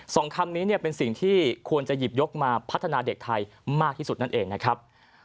คำนี้เนี่ยเป็นสิ่งที่ควรจะหยิบยกมาพัฒนาเด็กไทยมากที่สุดนั่นเองนะครับ